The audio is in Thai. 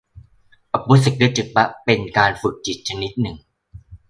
อาโปกสิณ คือกสิณน้ำ เป็นการฝึกจิตชนิดหนึ่ง